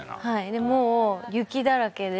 でもう雪だらけで。